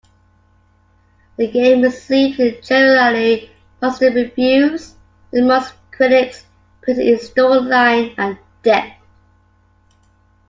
The game received generally positive reviews, with most critics praising its storyline and depth.